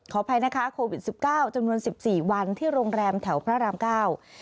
ขออภัยนะคะโควิด๑๙จำนวน๑๔วันที่โรงแรมแถวพระรามเก้า